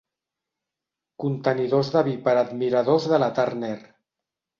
Contenidors de vi per a admiradors de la Turner.